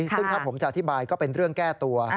ซึ่งถ้าผมจะอธิบายก็เป็นเรื่องแก้ตัว